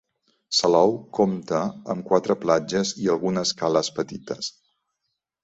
Salou compta amb quatre platges i algunes cales petites.